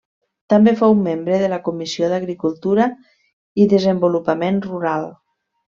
També fou membre de la Comissió d'Agricultura i Desenvolupament Rural.